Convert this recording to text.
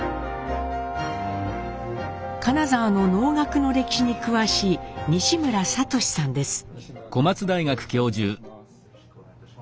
金沢の能楽の歴史に詳しい西村聡さんです。